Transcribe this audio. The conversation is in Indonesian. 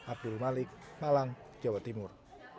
abdul malik malang jawa timur